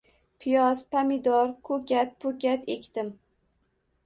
Piyoz, pomidor, koʻkat-poʻkat ekdim.